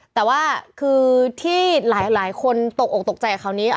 แต่ว่าคือที่หลายคนตกออกตกใจกับคราวนี้